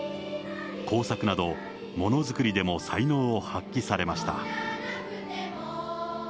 工作など、ものづくりでも才能を発揮されました。